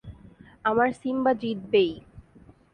আমার সিম্বা জিতবেই!